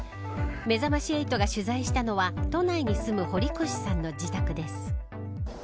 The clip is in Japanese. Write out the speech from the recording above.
めざまし８が取材したのは都内に住む堀越さんの自宅です。